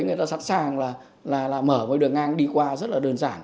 người ta sẵn sàng là mở một đường ngang đi qua rất là đơn giản